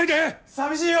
寂しいよ！